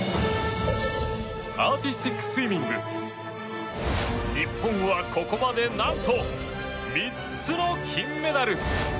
アーティスティックスイミング日本は、ここまで何と３つの金メダル。